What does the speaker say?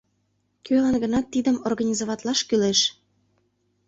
— Кӧлан-гынат тидым организоватлаш кӱлеш.